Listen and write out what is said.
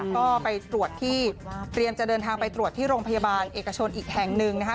ก็ไปตรวจที่เตรียมจะเดินทางไปตรวจที่โรงพยาบาลเอกชนอีกแห่งหนึ่งนะคะ